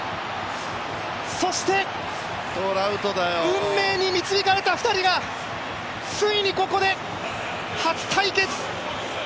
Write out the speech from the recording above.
そして、運命に導かれた２人がついにここで初対決。